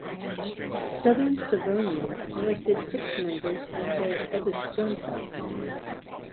Southern Savonia elected six members of the "Eduskunta".